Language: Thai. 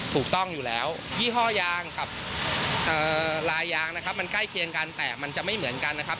ถูกต้องอยู่แล้วยี่ห้อยางกับลายยางนะครับมันใกล้เคียงกันแต่มันจะไม่เหมือนกันนะครับ